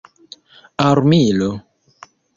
armilo